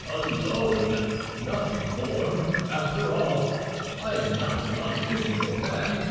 "A loan, nothing more! After all, I am not an unreasonable man.